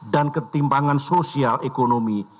dan ketimbangan sosial ekonomi